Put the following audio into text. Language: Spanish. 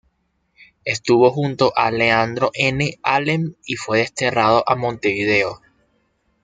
Estuvo junto a Leandro N. Alem y fue desterrado a Montevideo.